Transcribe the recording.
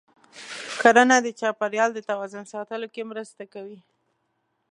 کرنه د چاپېریال د توازن ساتلو کې مرسته کوي.